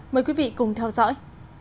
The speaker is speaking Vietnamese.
mời quý vị cùng theo dõi